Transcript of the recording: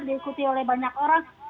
diikuti oleh banyak orang